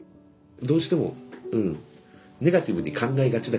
どうしてもうんネガティブに考えがちだから人間って。